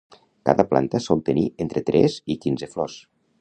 Cada planta sol tenir entre tres i quinze flors.